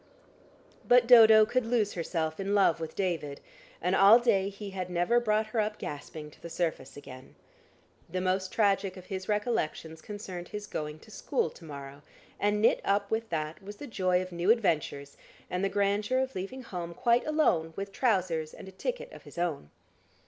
But Dodo could lose herself in love with David, and all day he had never brought her up gasping to the surface again. The most tragic of his recollections concerned his going to school to morrow, and knit up with that was the joy of new adventures, and the grandeur of leaving home quite alone with trousers and a ticket of his own.